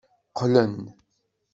Qqlen.